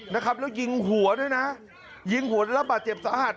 นะครับแล้วยิงหัวด้วยนะยิงหัวระบาดเจ็บสาหัส